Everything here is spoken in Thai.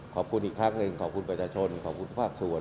ขอบคุณอีกครั้งหนึ่งขอบคุณประชาชนขอบคุณทุกภาคส่วน